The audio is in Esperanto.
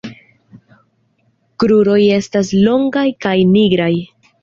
Kruroj estas longaj kaj nigraj.